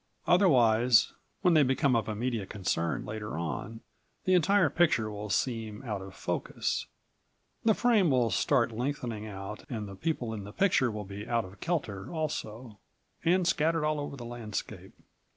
Otherwise when they become of immediate concern later on the entire picture will seem out of focus. The frame will start lengthening out and the people in the picture will be out of kelter also, and scattered all over the landscape.